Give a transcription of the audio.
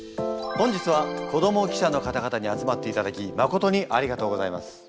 本日は子ども記者の方々に集まっていただきまことにありがとうございます。